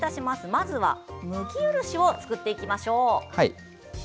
まずは麦漆を作っていきましょう。